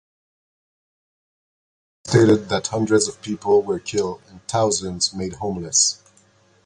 Initial reports stated that hundreds of people were killed and thousands made homeless.